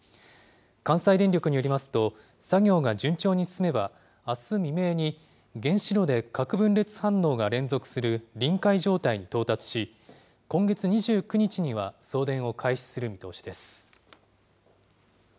関西電力によりますと、作業が順調に進めば、あす未明に原子炉で核分裂反応が連続する臨界状態に到達し、今月２９日には送電を開始する見通しです。